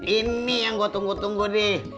ini yang gue tunggu tunggu deh